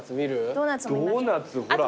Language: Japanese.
ドーナツほら。